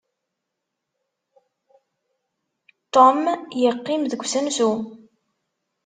Tum yeqqim deg usensu.